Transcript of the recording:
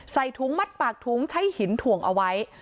ใส่ถุงมัดปากถุงใช้หินถ่วงเอาไว้